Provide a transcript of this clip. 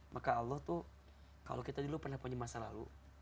maka allah tuh kalau kita dulu pernah punya masa lalu